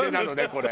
これ。